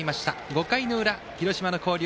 ５回の裏、広島の広陵